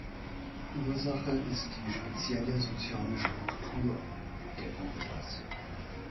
Ursache ist die spezielle soziale Struktur der Gorillas.